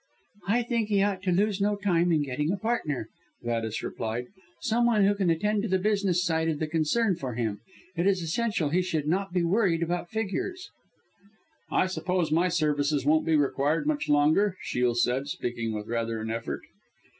"I think he ought to lose no time in getting a partner," Gladys replied, "some one who can attend to the business side of the concern for him. It is essential he should not be worried with figures." "I suppose my services won't be required much longer?" Shiel said, speaking with rather an effort.